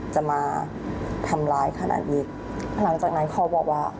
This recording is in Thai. จะมาทำร้ายขนาดนี้หลังจากนั้นเขาบอกว่า